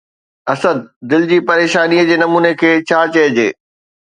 اسد! دل جي پريشانيءَ جي نموني کي ڇا چئجي؟